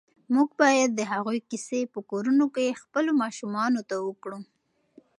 باید موږ د هغوی کیسې په کورونو کې خپلو ماشومانو ته وکړو.